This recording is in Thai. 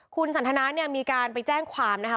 คุณสันทนาเนี่ยมีการไปแจ้งความนะคะ